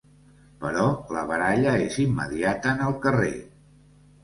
Però la baralla és immediata, en el carrer.